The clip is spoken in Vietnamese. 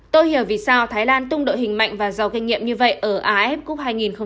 tôi hiểu vì sao thái lan tung đội hình mạnh và giàu kinh nghiệm như vậy ở aff cup hai nghìn hai mươi